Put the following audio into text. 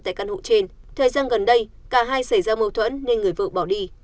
tại căn hộ trên thời gian gần đây cả hai xảy ra mâu thuẫn nên người vợ bỏ đi